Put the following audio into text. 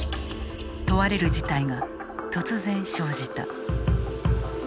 問われる事態が突然、生じた。